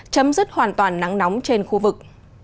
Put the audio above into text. chấm dứt hoàn toàn nắng nóng trên khu vực